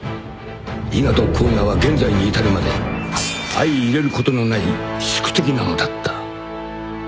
［伊賀と甲賀は現在に至るまで相いれることのない宿敵なのだった］